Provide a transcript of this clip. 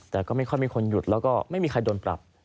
แต่ก็ไม่ค่อยมีคนหยุดแล้วก็ไม่มีใครโดนปรับ